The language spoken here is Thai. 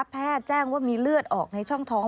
แพทย์แจ้งว่ามีเลือดออกในช่องท้อง